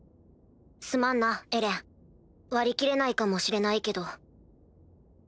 すまんなエレン割り切れないかもしれないけど。